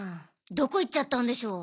どこ行っちゃったんでしょう。